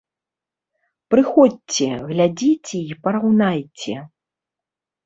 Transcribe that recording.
Прыходзьце, глядзіце й параўнайце!